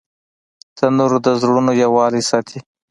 تنور د زړونو یووالی ساتي